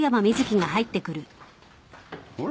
・あれ？